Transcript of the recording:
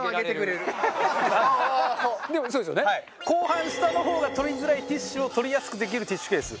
後半下の方が取りづらいティッシュを取りやすくできるティッシュケース。